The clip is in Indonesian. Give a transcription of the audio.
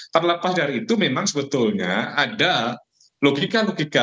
terlepas dari itu memang sebetulnya ada logika logika